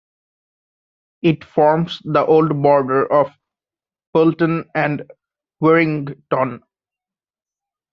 It forms the old border of Poulton and Warrington.